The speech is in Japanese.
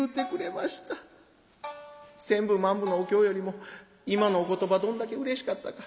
千部万部のお経よりも今のお言葉どんだけうれしかったか。